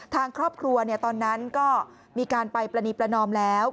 ทางครอบครัวตอนนั้นก็มีการไปปรณีประนอมแล้ว